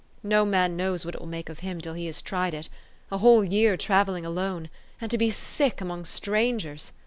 "No man knows what it will make of him, till he has tried it. A whole year travelling alone ; and to be sick among stran gers